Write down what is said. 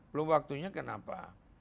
belum waktunya kenapa